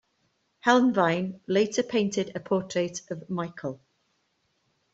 Helnwein later painted a portrait of Michael.